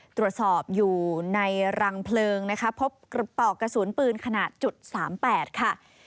ตรวจสอบอยู่ในรังเพลิงนะคะพบปอกกระสุนปืนขนาด๓๘ค่ะ